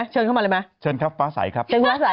เชิญเข้ามาเลยมั้ยพระศัยเชิญครับพระศัยครับ